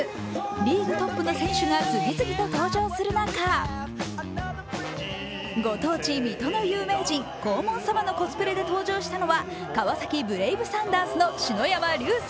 リーグトップの選手が次々と登場する中、ご当地・水戸の有名人、黄門様のコスプレで登場したのは川崎ブレイブサンダースの篠山竜青。